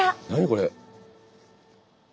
これ。